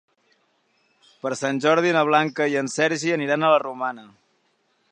Per Sant Jordi na Blanca i en Sergi aniran a la Romana.